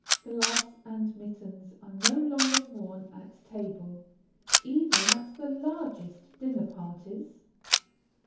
Gloves and mittens are no longer worn at table, even at the largest dinner parties.